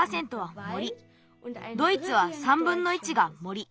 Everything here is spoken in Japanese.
ドイツは３ぶんの１が森。